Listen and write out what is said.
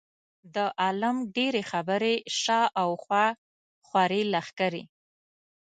د عالم ډېرې خبرې شا او خوا خورې لښکرې.